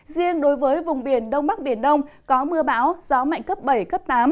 riêng đối với vùng biển đông bắc biển đông có mưa bão gió mạnh cấp bảy cấp tám